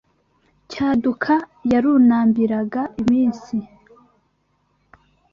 Cyaduka yarunambiraga iminsi